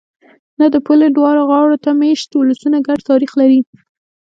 نه! د پولې دواړو غاړو ته مېشت ولسونه ګډ تاریخ لري.